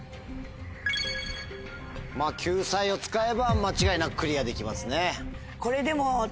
まぁ救済を使えば間違いなくクリアできますね。